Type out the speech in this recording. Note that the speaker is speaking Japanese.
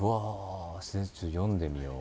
それちょっと読んでみよう。